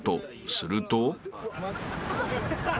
［すると］